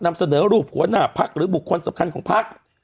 นำเสนอรูปหัวหน้าพักหรือบุคคลสำคัญของพัก